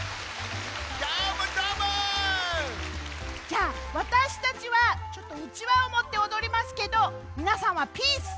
じゃあわたしたちはうちわをもっておどりますけどみなさんはピース！